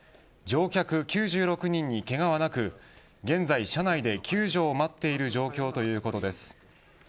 乗客９６人にけがはなく現在車内で救助を待っている状況ということです。